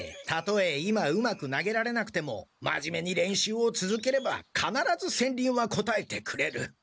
たとえ今うまく投げられなくても真面目に練習をつづければ必ず戦輪はこたえてくれる。